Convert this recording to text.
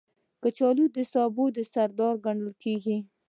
کچالو د سبو سردار ګڼل کېږي